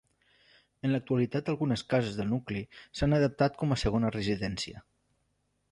En l'actualitat algunes cases del nucli s'han adaptat com a segona residència.